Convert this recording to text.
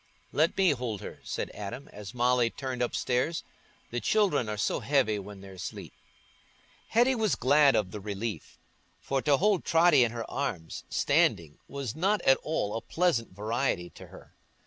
"Let me hold her," said Adam, as Molly turned upstairs; "the children are so heavy when they're asleep." Hetty was glad of the relief, for to hold Totty in her arms, standing, was not at all a pleasant variety to her.